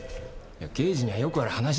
刑事にはよくある話だよ。